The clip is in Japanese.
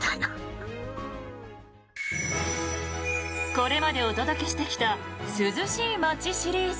これまでお届けしてきた涼しい街シリーズ。